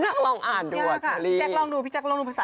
สนับลองอ่านดูอะเจ้าอีแจ๊กลองดูพี่แจ๊กลองดูภาษา